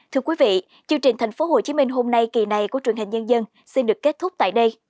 thưa quý vị chương trình thành phố hồ chí minh hôm nay kỳ này của truyền hình nhân dân xin được kết thúc tại đây